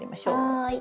はい。